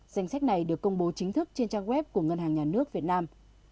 danh sách này được công bố chính thức trên trang web của ngân hàng nhà nước việt nam